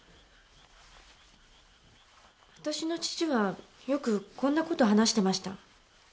私の父はよくこんな事話してました。